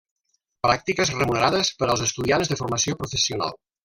Pràctiques remunerades per als estudiants de formació professional.